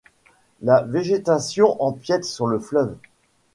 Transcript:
La végétation empiète sur le fleuve.